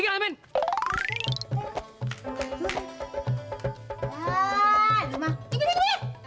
kan gue duluan mak